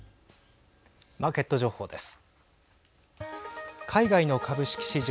マーケット情報です。